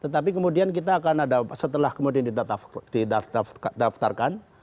tetapi kemudian kita akan ada setelah kemudian didaftarkan